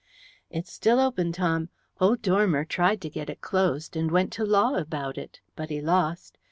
"It's still open, Tom. Old Dormer tried to get it closed, and went to law about it, but he lost.